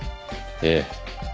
ええ。